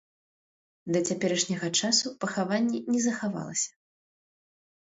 Да цяперашняга часу пахаванне не захавалася.